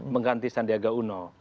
mengganti sandiaga uno